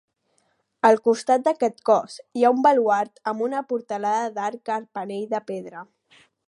Al costat d'aquest cos hi ha un baluard amb una portalada d'arc carpanell de pedra.